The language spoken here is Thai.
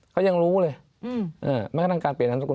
เขายังรู้เลยแม้กระทั่งการเปลี่ยนนามสกุ